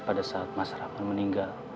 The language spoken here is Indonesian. pada saat mas rahman meninggal